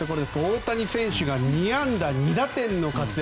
大谷選手が２安打２打点の活躍。